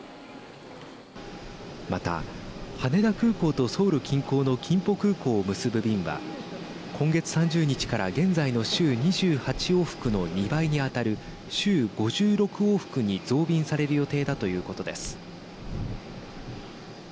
また、羽田空港とソウル近郊のキンポ空港を結ぶ便は今月３０日から現在の週２８往復の２倍に当たる週５６往復に増便される予定だということです。